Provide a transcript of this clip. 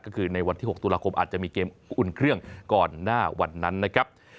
ก็คือในวันที่๖ตุลาคมอาจจะมีเกมอุ่นเครื่องก่อนหน้าวันนั้นนะครับ